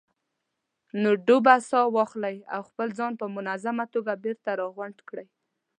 نو ډوبه ساه واخلئ او خپل ځان په منظمه توګه بېرته راغونډ کړئ.